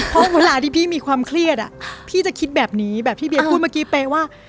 เพราะเวลาที่พี่มีความเครียดพี่จะคิดแบบนี้แบบที่เบียพูดเมื่อกี้เป๊ะว่า